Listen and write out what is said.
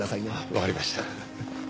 わかりました。